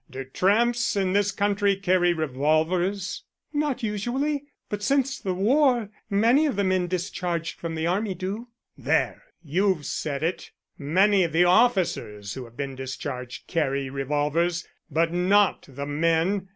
"Do tramps in this country carry revolvers?" "Not usually. But since the war many of the men discharged from the army do." "There you've said it. Many of the officers who have been discharged carry revolvers, but not the men.